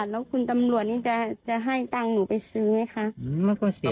เราเป็นเจ้าของรถไหม